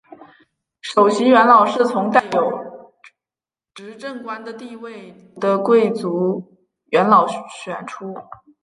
首席元老是从带有执政官的地位的贵族元老选出。